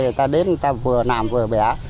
người ta đến người ta vừa làm vừa bé